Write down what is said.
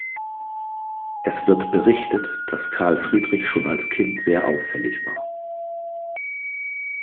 Es wird berichtet, dass Karl Friedrich schon als Kind sehr auffällig war.